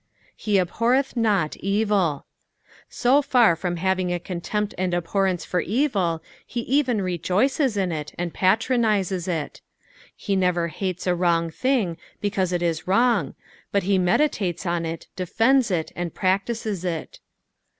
"He liAorreth not evil." Bo far from having a contempt and abhorrence for evil, he even rejoices in it, and patronises it. He never hates a wrong thing because it is wrong, but he meditates on it, defends it, and practises it.